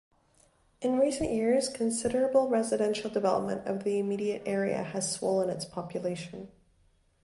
In recent years, considerable residential development of the immediate area has swollen its population.